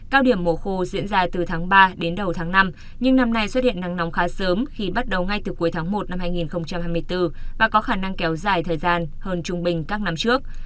cao điểm mùa khô diễn ra từ tháng ba đến đầu tháng năm nhưng năm nay xuất hiện nắng nóng khá sớm khi bắt đầu ngay từ cuối tháng một năm hai nghìn hai mươi bốn và có khả năng kéo dài thời gian hơn trung bình các năm trước